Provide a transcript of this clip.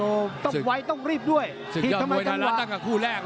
ต้องไว้ต้องรีบด้วยสิทธิ์ทำไมจังหวะ